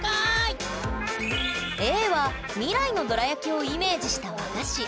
Ａは未来のどら焼きをイメージした和菓子。